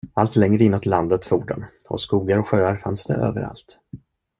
Allt längre inåt landet for de, och skogar och sjöar fanns det överallt.